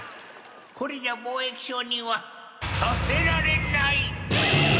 これじゃあ貿易商にはさせられない！え！？